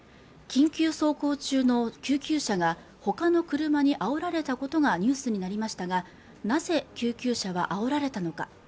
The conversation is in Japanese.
緊急走行中の救急車がほかの車にあおられたことがニュースになりましたがなぜ救急車はあおられたのか